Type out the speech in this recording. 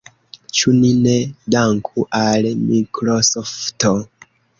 Ĉu ni ne danku al Mikrosofto?